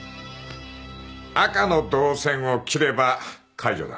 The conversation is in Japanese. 赤の導線を切れば解除だ。